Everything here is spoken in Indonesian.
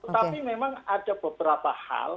tapi memang ada beberapa hal